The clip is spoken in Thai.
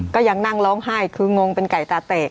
ก็ยังนั่งร้องไห้คืองงเป็นไก่ตาเตะ